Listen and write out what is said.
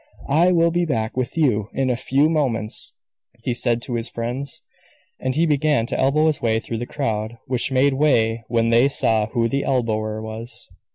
"I will be back with you in a few moments," he said to his friends, as he began to elbow his way through the crowd, which made way when they saw who the elbower was.